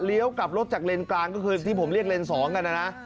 กลับรถจากเลนกลางก็คือที่ผมเรียกเลนส๒กันนะนะ